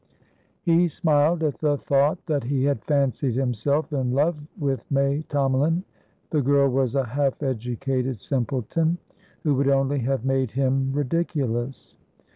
He smiled at the thought that he had fancied himself in love with May Tomalin. The girl was a half educated simpleton, who would only have made him ridiculous.